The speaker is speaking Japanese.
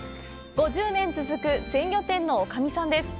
５０年続く鮮魚店の女将さんです。